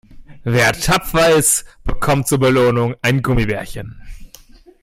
Wer tapfer ist, bekommt zur Belohnung ein Gummibärchen.